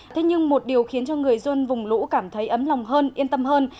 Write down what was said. thế nhưng một điều khiến cho người dân vùng lũ cảm thấy ấm lòng hơn yên tâm hơn